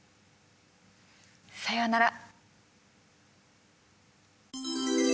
さようなら。